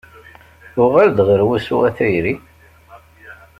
Uɣal-d ɣer wusu a tayri.